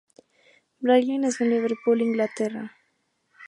Bradley nació en Liverpool, Inglaterra.